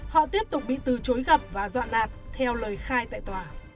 họ tiếp tục bị từ chối gặp và dọn đạt theo lời khai tại tòa